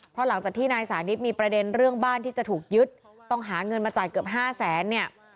เพราะหลังจากที่นายสานิทมีประเด็นเรื่องบ้านที่จะถูกยึดต้องหาเงินมาจ่ายเกือบ๕แสนเนี่ย